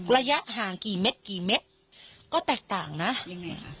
ระยะห่างกี่เม็ดกี่เม็ดก็แตกต่างนะยังไงคะ